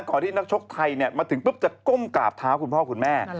ที่นักชกไทยมาถึงปุ๊บจะก้มกราบเท้าคุณพ่อคุณแม่